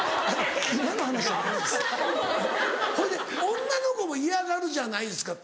ほいで女の子も嫌がるじゃないですか